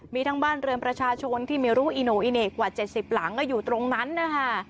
มีทั้งบ้านเรือประชาชนที่เมรุอิโนอิเนกกว่าเจ็ดสิบหลังแล้วอยู่ตรงนั้นนะคะ